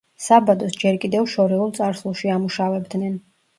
საბადოს ჯერ კიდევ შორეულ წარსულში ამუშავებდნენ.